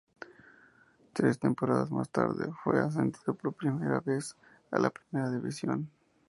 Tres temporadas más tarde, fue ascendido por primera vez a la primera división.